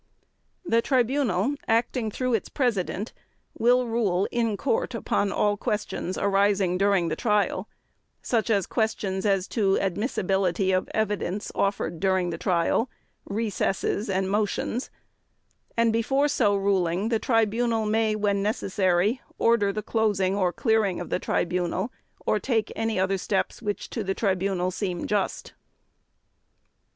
(c) The Tribunal, acting through its President, will rule in court upon all questions arising during the trial, such as questions as to admissibility of evidence offered during the trial, recesses, and motions; and before so ruling the Tribunal may, when necessary, order the closing or clearing of the Tribunal or take any other steps which to the Tribunal seem just.